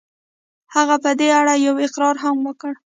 هغه په دې اړه يو اقرار هم وکړ.